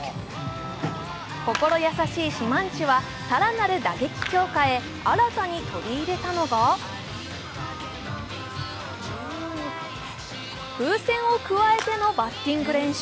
心優しい島人は更なる打撃強化へ新たに取り入れたのが風船をくわえてのバッティング練習。